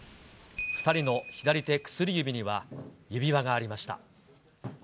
２人の左手薬指には指輪がありました。